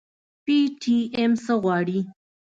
پي ټي ايم څه غواړي؟